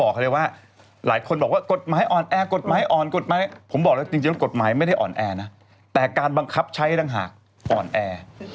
กฎหมายอ่อนกฎหมายผมบอกแล้วจริงกฎหมายไม่ได้อ่อนแอนะแต่การบังคับใช้ดังหากอ่อนแอ